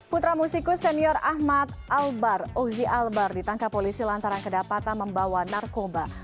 putra musikus senior ahmad albar ozi albar ditangkap polisi lantaran kedapatan membawa narkoba